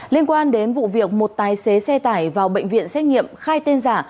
liên quan đến vụ việc một tài xế xe tải vào bệnh viện xét nghiệm khai tên giả